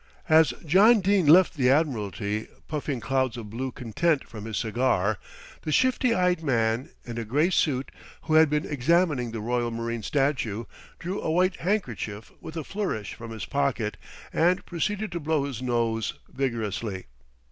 As John Dene left the Admiralty puffing clouds of blue content from his cigar, the shifty eyed man, in a grey suit, who had been examining the Royal Marines statue, drew a white handkerchief with a flourish from his pocket and proceeded to blow his nose vigorously.